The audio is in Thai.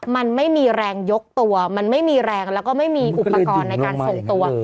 มันไม่มีแรงยกตัวมันไม่มีแรงแล้วก็ไม่มีอุปกรณ์ในการส่งตัว